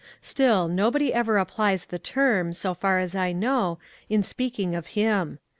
Still, nobody ever ap plies the term, so far as I know, in speak ing of him.